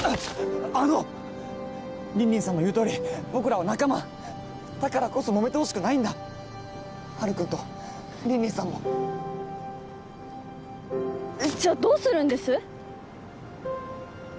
あの凜々さんの言うとおり僕らは仲間だからこそもめてほしくないんだハルくんと凜々さんもじゃあどうするんです？